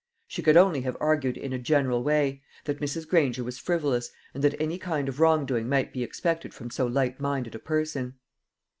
She could only have argued in a general way, that Mrs. Granger was frivolous, and that any kind of wrong doing might be expected from so light minded a person.